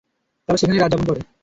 তারা সেখানেই রাত যাপন করে।